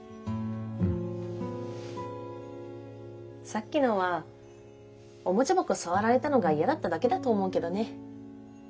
さっきのはおもちゃ箱触られたのが嫌だっただけだと思うけどね。